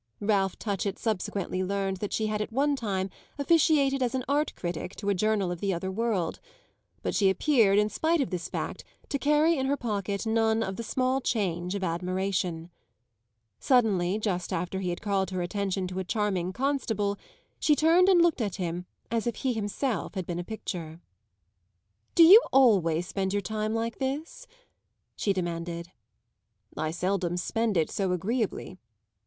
Ralph Touchett subsequently learned that she had at one time officiated as art critic to a journal of the other world; but she appeared, in spite of this fact, to carry in her pocket none of the small change of admiration. Suddenly, just after he had called her attention to a charming Constable, she turned and looked at him as if he himself had been a picture. "Do you always spend your time like this?" she demanded. "I seldom spend it so agreeably."